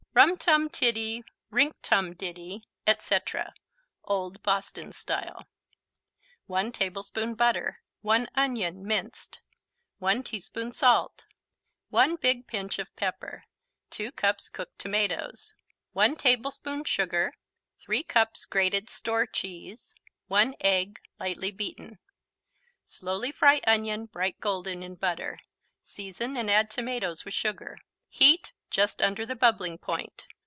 Rum Tum Tiddy, Rink Tum Ditty, etc. (OLD BOSTON STYLE) 1 tablespoon butter 1 onion, minced 1 teaspoon salt 1 big pinch of pepper 2 cups cooked tomatoes 1 tablespoon sugar 3 cups grated store cheese 1 egg, lightly beaten Slowly fry onion bright golden in butter, season and add tomatoes with sugar. Heat just under the bubbling point.